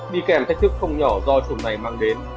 đi kèm thách thức không nhỏ do chủng này mang đến